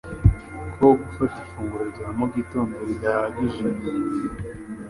ko gufata ifunguro rya mugitondo ridahagije.